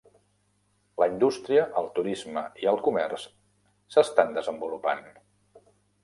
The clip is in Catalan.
La indústria, el turisme i el comerç s'estan desenvolupant.